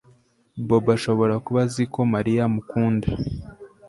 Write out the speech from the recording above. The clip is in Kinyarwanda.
Bobo ashobora kuba azi ko Mariya amukunda